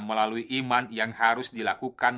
melalui iman yang harus dilakukan